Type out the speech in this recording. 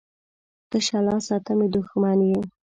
تشه لاسه ته مې دښمن یې